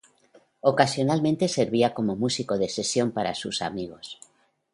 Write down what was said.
Ocasionalmente servía como músico de sesión para sus amigos.